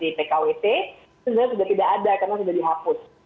seperti pkwt sebenarnya sudah tidak ada karena sudah dihapus